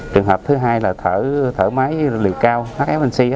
trường hợp thứ hai là thở máy liều cao hfnc